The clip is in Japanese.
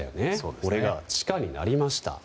これが地下になりました。